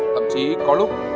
thậm chí có lúc